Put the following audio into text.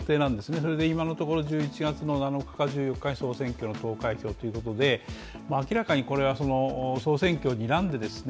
それで今のところ１１月の７日か１４日に総選挙の投開票ということでも明らかにこれは総選挙をにらんでですね